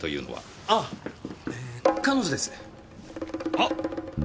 あっ！